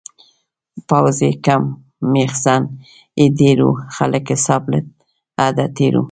پوځ یې کم میخزن یې ډیر و-خلکه حساب له حده تېر و